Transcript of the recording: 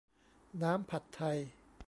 น้ำผัดไทย